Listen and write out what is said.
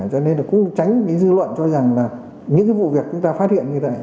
cho nên là cũng tránh cái dư luận cho rằng là những cái vụ việc chúng ta phát hiện như vậy